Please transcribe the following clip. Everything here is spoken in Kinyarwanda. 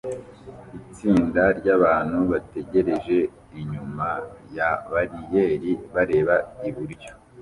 Itsinda ryabantu bategereje inyuma ya bariyeri bareba iburyo